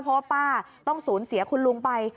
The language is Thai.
เพราะว่าป้าต้องสูญเสียคุณลุงไป